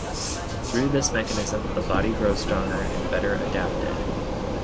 Through this mechanism, the body grows stronger and better adapted.